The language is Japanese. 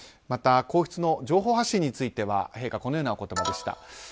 また、皇室の情報発信については陛下、このような言葉でした。